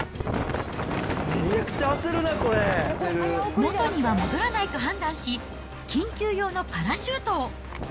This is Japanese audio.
元には戻らないと判断し、緊急用のパラシュートを。